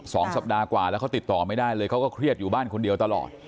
สองสัปดาห์กว่าแล้วเขาติดต่อไม่ได้เลยเขาก็เครียดอยู่บ้านคนเดียวตลอด